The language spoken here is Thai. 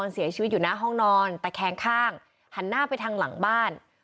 เสียชีวิตอยู่หน้าห้องนอนตะแคงข้างหันหน้าไปทางหลังบ้าน